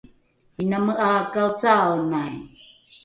iname ’a kaocaaenai